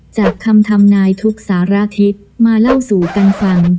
จากคำทำนายทุกสารทิศมาเล่าสู่กันฟัง